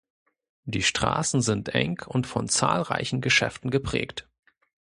Die Straßen sind eng und von zahlreichen Geschäften geprägt.